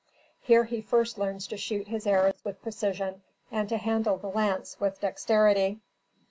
Here he first learns to shoot his arrows with precision, and to handle the lance with dexterity.